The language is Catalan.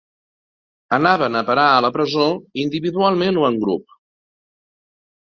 Anaven a parar a la presó, individualment o en grup